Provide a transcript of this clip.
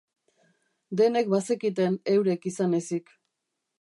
Denek bazekiten, eurek izan ezik.